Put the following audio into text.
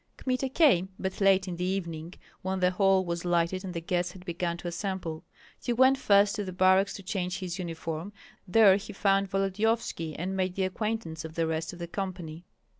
Kmita came, but late in the evening, when the hall was lighted and the guests had begun to assemble. He went first to the barracks to change his uniform; there he found Volodyovski, and made the acquaintance of the rest of the company.